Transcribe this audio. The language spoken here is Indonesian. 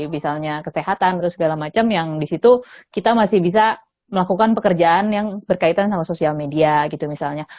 misalnya kesehatan atau segala macam yang disitu kita masih bisa melakukan pekerjaan yang berkaitan sama sosial media gitu misalnya